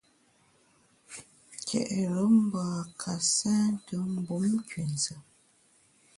Ke’re mbâ ka sente mbum nkünzùm.